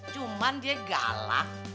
cuman dia galak